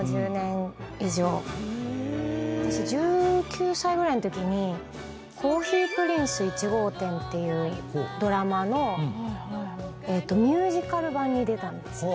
私１９歳ぐらいのときに『コーヒープリンス１号店』っていうドラマのミュージカル版に出たんですよ。